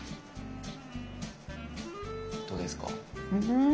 どうですか？